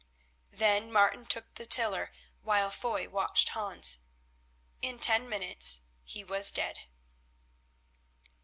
Then Martin took the tiller while Foy watched Hans. In ten minutes he was dead.